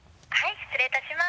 失礼いたします。